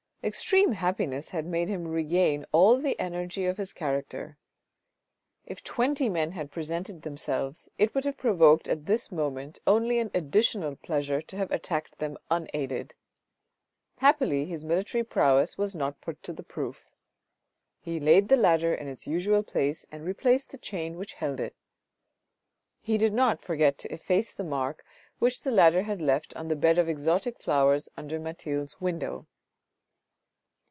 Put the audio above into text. Extreme happiness had made him regain all the energy of his character. If twenty men had presented themselves it would have proved at this moment only an additional pleasure to have attacked them unaided. Happily his military prowess was not put to the proof. He laid the ladder in its usual place and replaced the chain which held it. He did not forget to efface the mark which the ladder had left on the bed of exotic flowers under Mathilde's window.